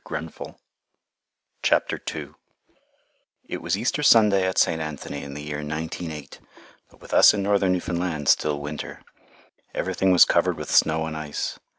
ADRIFT ON AN ICE PAN It was Easter Sunday at St. Anthony in the year 1908, but with us in northern Newfoundland still winter. Everything was covered with snow and ice.